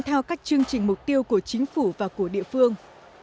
theo các chương trình mục tiêu của chính phủ và của địa phương